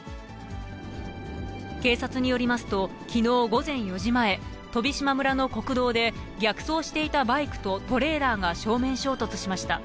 警察によりますと、きのう午前４時前、飛島村の国道で、逆走していたバイクとトレーラーが正面衝突しました。